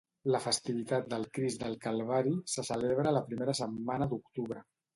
La festivitat del Crist del Calvari se celebra la primera setmana d'octubre.